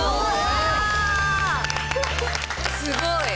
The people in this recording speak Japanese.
すごい。